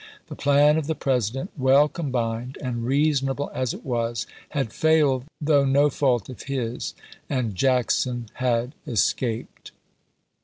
The plan of the President, well combined and reasonable as it was, had failed though no fault of his, and Jackson had escaped.